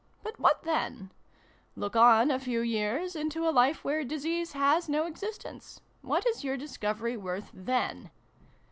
But what then ? Look on, a few years, into a life where disease has no exist ence. What is your discovery worth, then